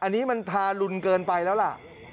พูดถ่าหลุนเกินไปแล้วล่ะ